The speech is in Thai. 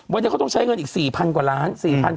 วันนี้เขาต้องใช้เงินอีก๔๐๐กว่าล้าน